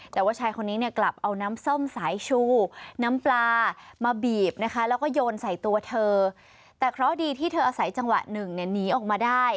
ที่เธออาศัยจังหวะ๑หนีออกมาได้